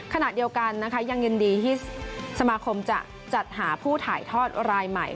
ขณะเดียวกันนะคะยังยินดีที่สมาคมจะจัดหาผู้ถ่ายทอดรายใหม่